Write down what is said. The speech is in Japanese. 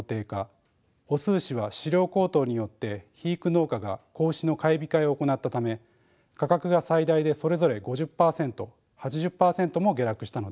雄牛は飼料高騰によって肥育農家が子牛の買い控えを行ったため価格が最大でそれぞれ５０％８０％も下落したのです。